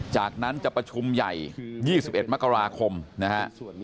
จากนั้นจะประชุมใหญ่๒๑มกราคมนะฮะ